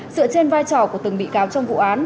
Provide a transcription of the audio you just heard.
dựa trên vai trò của từng bị cáo trong vụ án